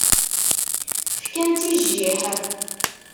Fkan-tt i jjiḥ.